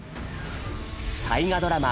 大河ドラマ